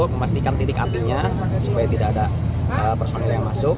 memastikan titik apinya supaya tidak ada personil yang masuk